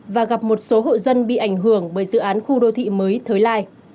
và gặp một số hộ dân bị ảnh hưởng bởi dự án khu đô thị mới thới lai